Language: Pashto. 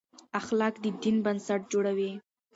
اخلاق د دین بنسټ جوړوي.